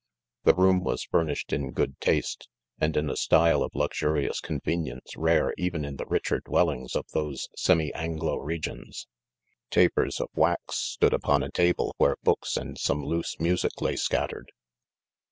The ioom was furnished, in good taste, and in a style of luxurious convenience rare even in the richer dwellings of those semi anglo re gions. Tapers of wax stood upon a table where books and some loose music lay scattered.